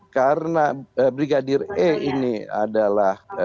karena brigadir e ini adalah